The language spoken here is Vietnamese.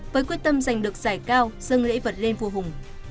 với quyết tâm giành được giải cao dâng lễ vật lên vua hùng